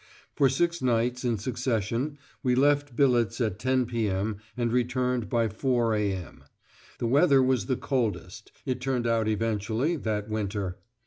For six nights in succession we left billets at 10.0 p.m. and returned by 4.0 a.m. The weather was the coldest, it turned out eventually, that winter.